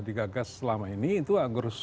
digagas selama ini itu agus